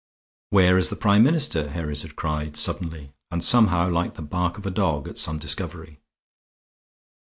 "Where is the Prime Minister?" Herries had cried, suddenly, and somehow like the bark of a dog at some discovery.